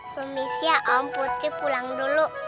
permisi ya om putri pulang dulu